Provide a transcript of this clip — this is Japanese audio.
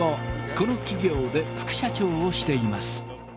この企業で副社長をしています。